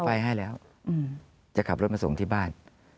ไปให้แล้วจะขับรถมาส่งที่บ้าน